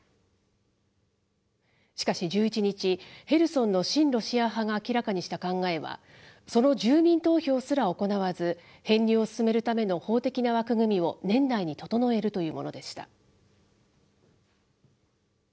しかし１１日、ヘルソンの親ロシア派が明らかにした考えは、その住民投票すら行わず、編入を進めるための法的な枠組みを年内に整えるというものでした。